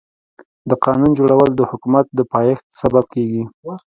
د قانون جوړول د حکومتونو د پايښت سبب کيږي.